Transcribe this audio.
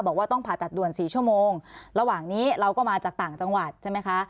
บอกว่าต้องผ่าตัดด่วน๔ชั่วโมงระหว่างนี้เราก็มาจากต่างจังหวัดใช่ไหมคะ